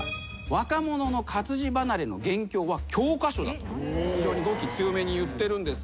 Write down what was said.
「若者の活字離れの元凶は教科書だ」と非常に語気強めにいってるんです。